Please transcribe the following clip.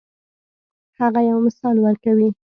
هغه یو مثال ورکوي.